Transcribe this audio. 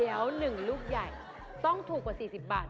เดี๋ยว๑ลูกใหญ่ต้องถูกกว่า๔๐บาท